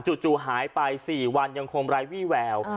จู่หายไป๔วันยังคงไร้วี่แวว